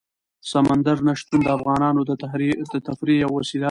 سمندر نه شتون د افغانانو د تفریح یوه وسیله ده.